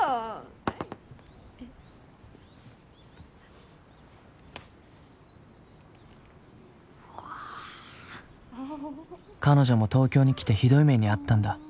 はいうわ彼女も東京に来てひどい目に遭ったんだ